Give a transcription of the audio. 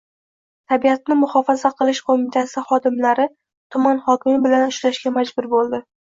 Tabiatni muhofaza qilish qo`mitasi xodimlari tuman hokimi bilan ishlashga majbur bo`ldi.